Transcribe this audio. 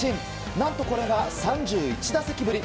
何とこれが３１打席ぶり。